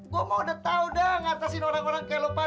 gue mau udah tau dah ngatasin orang orang kayak lo pan